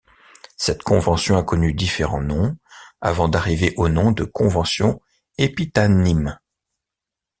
Cette convention a connu différents noms avant d'arriver au nom de convention Épitanime.